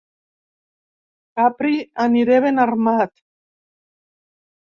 Capri aniré ben armat.